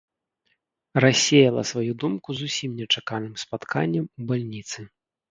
Рассеяла сваю думку зусім нечаканым спатканнем у бальніцы.